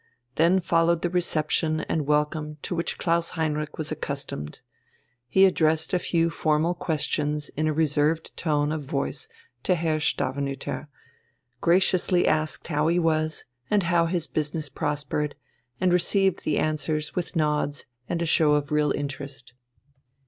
Then followed the reception and welcome to which Klaus Heinrich was accustomed. He addressed a few formal questions in a reserved tone of voice to Herr Stavenüter, graciously asked how he was and how his business prospered, and received the answers with nods and a show of real interest.